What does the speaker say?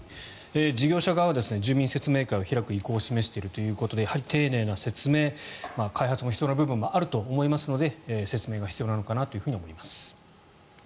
事業者側は住民説明会を開く意向を示しているということでやはり丁寧な説明開発も必要な部分もあると思いますので説明が必要なのかなと思います。